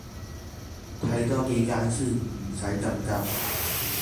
睇多幾間先，唔洗咁急